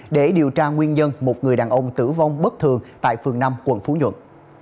để điều tra nguyên nhân một người đàn ông tử vong bất thường tại phường năm quận phú nhuận